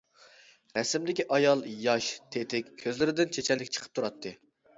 رەسىمدىكى ئايال ياش، تېتىك، كۆزلىرىدىن چېچەنلىك چىقىپ تۇراتتى.